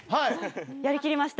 やりきりました。